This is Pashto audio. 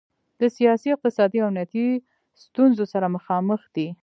د سیاسي، اقتصادي او امنیتي ستونخو سره مخامخ دی.